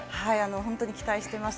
本当に期待してます。